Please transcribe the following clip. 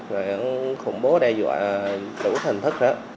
rồi khủng bố đe dọa đủ thành thức đó